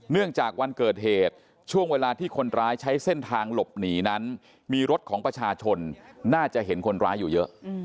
จากวันเกิดเหตุช่วงเวลาที่คนร้ายใช้เส้นทางหลบหนีนั้นมีรถของประชาชนน่าจะเห็นคนร้ายอยู่เยอะ